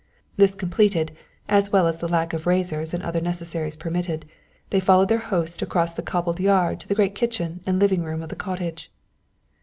This completed as well as the lack of razors and other necessaries permitted, they followed their host across the cobbled yard to the great kitchen and living room of the cottage.